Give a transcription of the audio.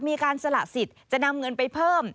โปรดติดตามตอนต่อไป